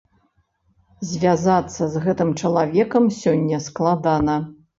Звязацца з гэтым чалавекам сёння складана.